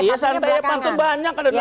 iya santai pantu banyak